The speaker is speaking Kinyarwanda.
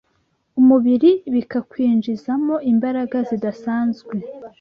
umubiri bikawinjizamo imbaraga zidasanzwe